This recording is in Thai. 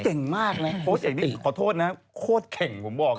ถูกกันมากเนี่ยโค้ชอย่างนี้ขอโทษนะครับโคตรเก่งผมบอกเลย